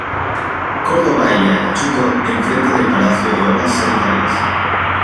Córdoba y Ayacucho, en frente del Palacio de Obras Sanitarias.